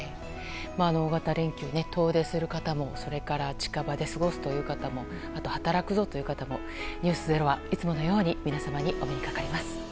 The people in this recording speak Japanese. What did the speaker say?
大型連休、遠出する方もそれから近場で過ごす方も働くという方も「ｎｅｗｓｚｅｒｏ」はいつものように皆様のお目にかかります。